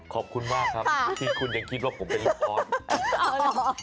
ขอบคุณมากครับที่คุณยังคิดว่าผมเป็นลูกคอร์ส